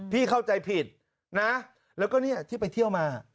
เข้าใจผิดนะแล้วก็เนี่ยที่ไปเที่ยวมา